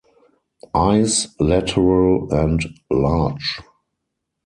Eyes lateral and large.